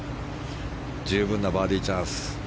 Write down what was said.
十分なバーディーチャンス。